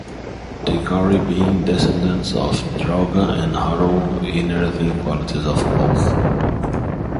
The Gauri being descendants of Drauga and Haroun inheriting qualities of both.